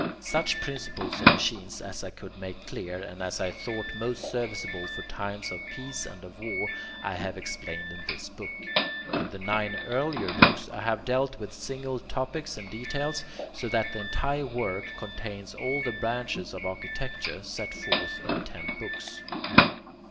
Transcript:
Such principles of machines as I could make clear, and as I thought most serviceable for times of peace and of war, I have explained in this book. In the nine earlier books I have dealt with single topics and details, so that the entire work contains all the branches of architecture, set forth in ten books.